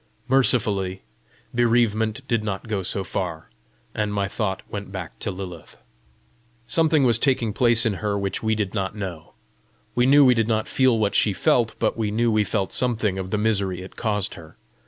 Mercifully, bereavement did not go so far, and my thought went back to Lilith. Something was taking place in her which we did not know. We knew we did not feel what she felt, but we knew we felt something of the misery it caused her.